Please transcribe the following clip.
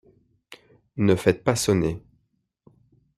Ne faites pas sonner…